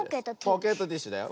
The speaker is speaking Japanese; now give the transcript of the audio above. ポケットティッシュだよ。